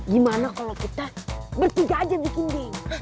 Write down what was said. gimana kalo kita bertiga aja bikin geng